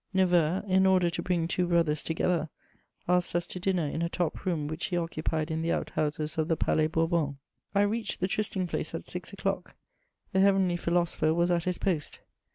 Neveu, in order to bring two brothers together, asked us to dinner in a top room which he occupied in the out houses of the Palais Bourbon. I reached the trysting place at six o'clock; the heavenly philosopher was at his post.